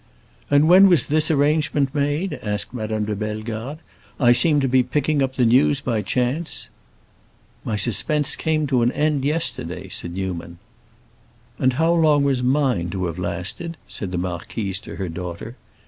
"And when was this arrangement made?" asked Madame de Bellegarde. "I seem to be picking up the news by chance!" "My suspense came to an end yesterday," said Newman. "And how long was mine to have lasted?" said the marquise to her daughter.